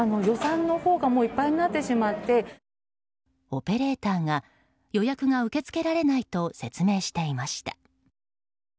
オペレーターが予約が受け付けられないと説明していました。